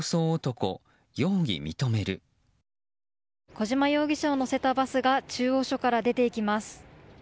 小島容疑者を乗せたバスが中央署から出ていきます。